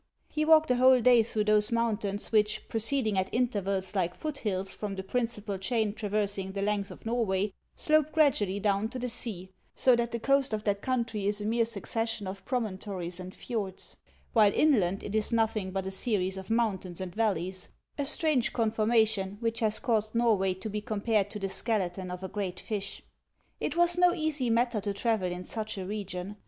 He walked a whole day through those mountains which, proceeding at intervals like foot hills from the principal chain trav ersing the length of Xorway, slope gradually down to the sea ; so that the coast of that country is a mere succession of promontories and fjords, while inland it is nothing but a series of mountains and valleys, a strange conformation, which has caused Xorway to be compared to the skeleton of a great fish. It was no easy matter to travel in such a region.